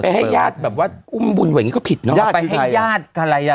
ให้ญาติแบบว่าอุ้มบุญไว้อย่างงี้ก็ผิดเนอะญาติไปให้ญาติอะไรอ่ะ